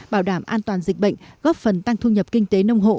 bảo đảm an toàn dịch bệnh góp phần tăng thu nhập kinh tế nông hộ